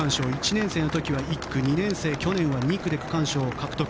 １年生の時は１区２年生、去年は２区で区間賞を獲得。